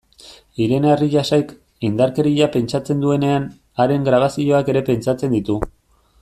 Irene Arriasek, indarkeria pentsatzen duenean, haren grabazioak ere pentsatzen ditu.